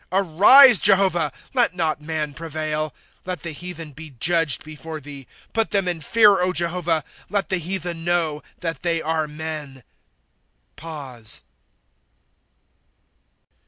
'^ Arise, Jehovah ! Let not man prevail ; Let the heathen be judged before thee, ^" Put them in fear, Jehovah ; Let the heathen know that they are men.